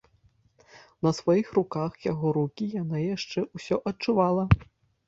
На сваіх руках яго рукі яна яшчэ ўсё адчувала.